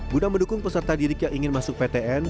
guna mendukung peserta didik yang ingin masuk ptn